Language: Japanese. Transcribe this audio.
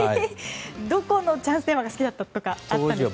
どこのチャンステーマが好きだったとかありますか？